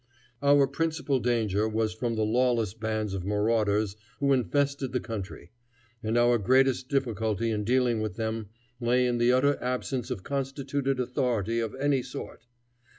Our principal danger was from the lawless bands of marauders who infested the country, and our greatest difficulty in dealing with them lay in the utter absence of constituted authority of any sort.